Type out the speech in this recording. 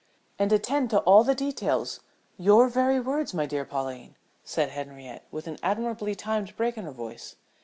"And attend to all the details your very words, my dear Pauline," said Henriette, with an admirably timed break in her voice.